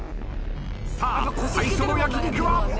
さあ最初の焼き肉は。